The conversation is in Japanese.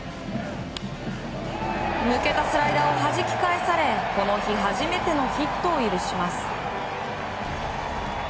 抜けたスライダーをはじき返されこの日初めてのヒットを許します。